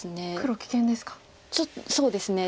ちょっとそうですね。